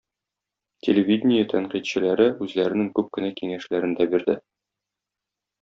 Телевидение тәнкыйтьчеләре үзләренең күп кенә киңәшләрен дә бирде.